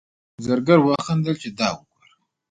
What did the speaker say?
زرګر وخندل چې دا وګوره.